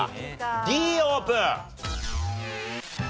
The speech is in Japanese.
Ｄオープン！